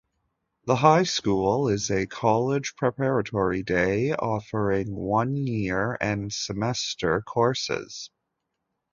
The High School is a college preparatory day offering one year and semester courses.